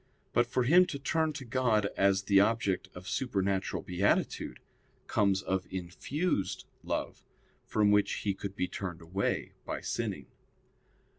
But for him to turn to God as the object of supernatural beatitude, comes of infused love, from which he could be turned away by sinning.